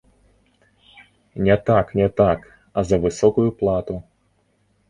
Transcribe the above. Не так, не так, а за высокую плату.